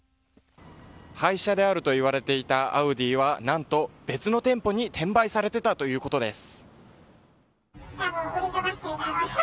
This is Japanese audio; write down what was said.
廃車であるといわれていたアウディは何と、別の店舗に転売されていたということです。